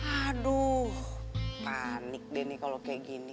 aduh panik deh nih kalau kayak gini